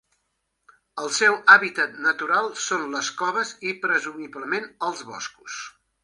El seu hàbitat natural són les coves i presumiblement als boscos.